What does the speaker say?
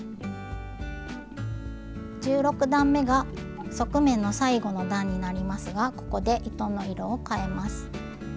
１６段めが側面の最後の段になりますがここで糸の色をかえます。